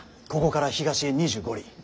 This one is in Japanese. ここから東へ２５里。